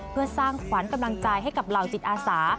เพื่อสร้างขวัญกำลังใจให้กับเหล่าจิตอาสา